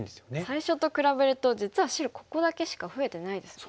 最初と比べると実は白ここだけしか増えてないですもんね。